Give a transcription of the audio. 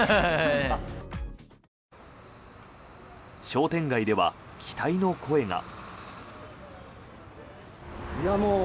商店街では期待の声が。